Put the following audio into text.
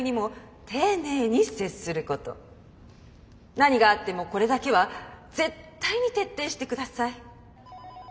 何があってもこれだけは絶対に徹底して下さい。